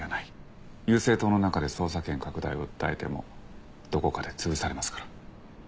友政党の中で捜査権拡大を訴えてもどこかで潰されますから。